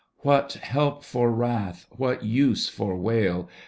What help for wrath, what use for wail